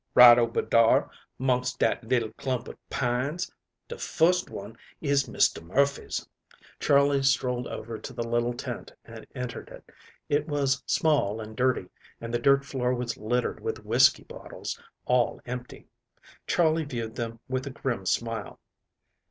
"Right ober dar 'mongst dat little clump of pines. De furst one is Mr. Murphy's." Charley strolled over to the little tent and entered it. It was small and dirty, and the dirt floor was littered with whiskey bottles, all empty. Charley viewed them with a grim smile.